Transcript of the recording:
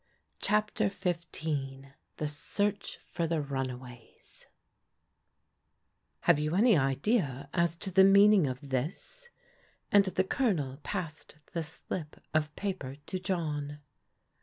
«« CHAPTER XV THE SEARCH FOR THE RUNAWAYS AVE you any idea as to the meaning of this? and the Colonel passed the slip of paper to John.